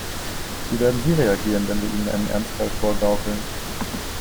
Wie werden sie reagieren, wenn wir ihnen einen Ernstfall vorgaukeln?